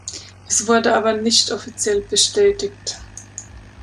Es wurde aber nicht offiziell bestätigt.